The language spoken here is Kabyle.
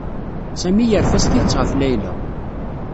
Sami yerfa s tidet ɣef Layla.